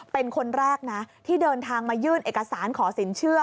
เป็นคนแรกนะที่เดินทางมายื่นเอกสารขอสินเชื่อ